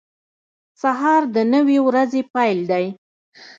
• سهار د نوې ورځې پیل دی.